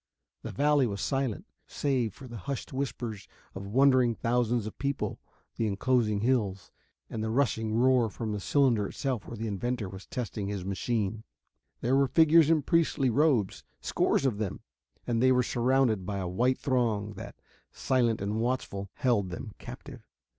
The valley was silent, save for the hushed whispers of wondering thousands who peopled the enclosing hills, and the rushing roar from the cylinder itself where the inventor was testing his machine. There were figures in priestly robes scores of them and they were surrounded by a white throng that, silent and watchful, held them captive.